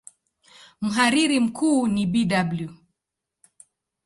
Mhariri mkuu ni Bw.